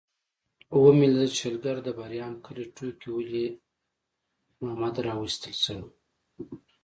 ومې لیدل چې د شلګر د بریام کلي ټوکي ولي محمد راوستل شو.